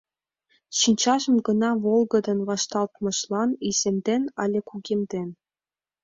Шинчажым гына волгыдын вашталтмыжлан иземден але кугемден.